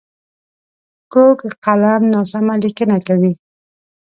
کوږ قلم ناسمه لیکنه کوي